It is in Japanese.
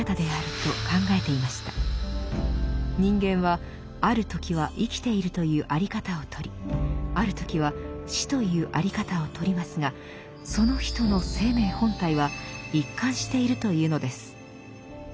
人間はある時は生きているというあり方をとりある時は死というあり方をとりますがその人の「生命本体」は一貫しているというのです。